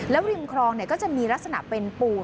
ริมคลองก็จะมีลักษณะเป็นปูน